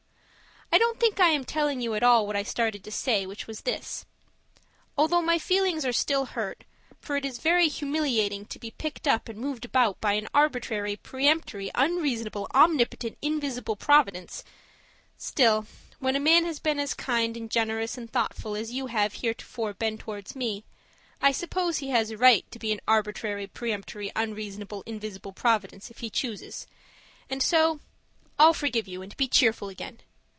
I don't think I am telling you at all what I started to say, which was this: Although my feelings are still hurt, for it is very humiliating to be picked up and moved about by an arbitrary, peremptory, unreasonable, omnipotent, invisible Providence, still, when a man has been as kind and generous and thoughtful as you have heretofore been towards me, I suppose he has a right to be an arbitrary, peremptory, unreasonable, invisible Providence if he chooses, and so I'll forgive you and be cheerful again.